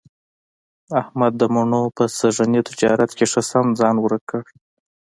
احمد د مڼو په سږني تجارت کې ښه سم ځان ورک کړ.